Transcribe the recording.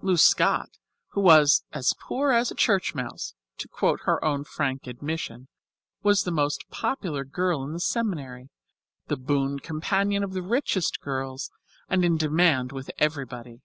Lou Scott, who was "as poor as a church mouse," to quote her own frank admission, was the most popular girl in the seminary, the boon companion of the richest girls, and in demand with everybody.